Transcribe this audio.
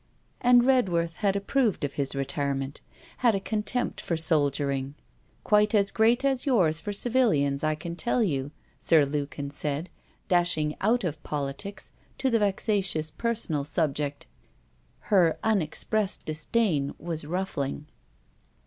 And Redworth had approved of his retirement, had a contempt for soldiering. 'Quite as great as yours for civilians, I can tell you,' Sir Lukin said, dashing out of politics to the vexatious personal subject. Her unexpressed disdain was ruffling.